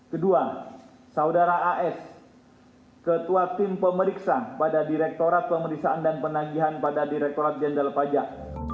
kedua saudara as ketua tim pemeriksa pada direktorat pemeriksaan dan penagihan pada direkturat jenderal pajak